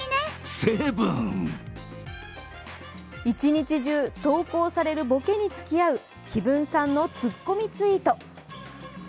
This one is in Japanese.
一日中投稿されるボケに付き合う紀文さんのツッコミツイート。